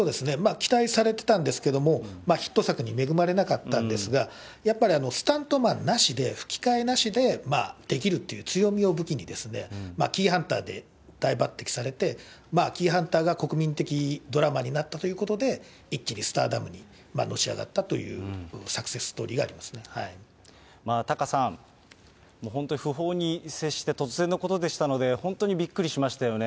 期待されてたんですけれども、ヒット作に恵まれなかったんですが、やっぱりスタントマンなしで、吹き替えなしでできるっていう強みを武器に、キイハンターで大抜てきされて、キイハンターが国民的ドラマになったということで、一気にスターダムにのし上がったというサクセスストーリーがありタカさん、本当に訃報に接して、突然のことでしたので、本当にびっくりしましたよね。